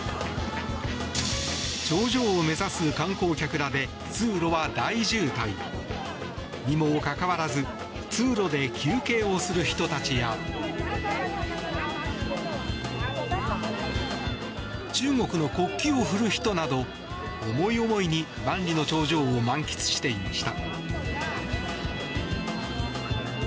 頂上を目指す観光客らで通路は大渋滞。にもかかわらず通路で休憩をする人たちや中国の国旗を振る人など思い思いに万里の長城を満喫していました。